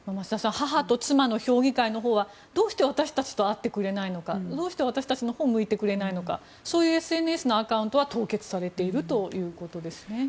母と妻の評議会のほうはどうして私たちと会ってくれないのかどうして私たちのほうを向いてくれないのかそういうＳＮＳのアカウントは凍結されているということです。